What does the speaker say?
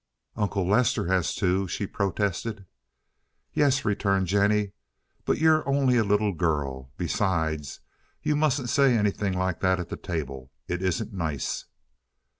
"Uncle Lester has two," she protested. "Yes," returned Jennie; "but you're only a little girl. Besides you mustn't say anything like that at the table. It isn't nice."